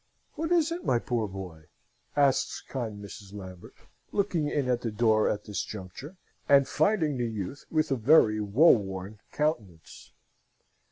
"What is it, my poor boy?" asks kind Mrs. Lambert, looking in at the door at this juncture, and finding the youth with a very woeworn countenance.